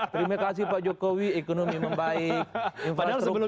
terima kasih pak jokowi ekonomi membaik infrastruktur